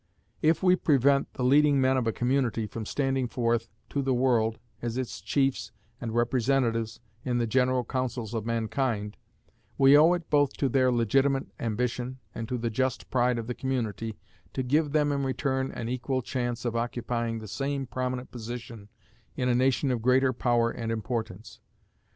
If we prevent the leading men of a community from standing forth to the world as its chiefs and representatives in the general councils of mankind, we owe it both to their legitimate ambition and to the just pride of the community to give them in return an equal chance of occupying the same prominent position in a nation of greater power and importance.